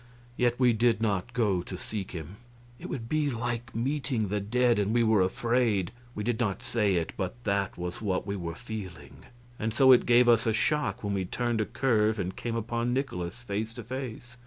Yet we did not go to seek him. It would be like meeting the dead, and we were afraid. We did not say it, but that was what we were feeling. And so it gave us a shock when we turned a curve and came upon Nikolaus face to face.